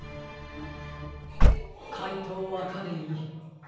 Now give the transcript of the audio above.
かいとうアカデミー。